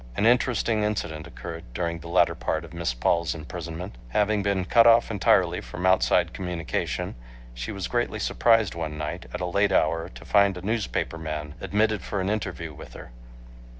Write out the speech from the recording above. An interesting incident occurred during the latter part of Miss Paul's imprisonment. Having been cut off entirely from outside communication, she was greatly surprised one night at a late hour to find a newspaper man admitted for an interview with her.